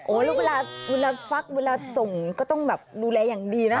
แล้วเวลาเวลาฟักเวลาส่งก็ต้องแบบดูแลอย่างดีนะ